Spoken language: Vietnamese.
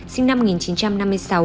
sinh năm một nghìn chín trăm năm mươi sáu